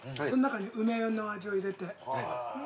その中に梅の味を入れて。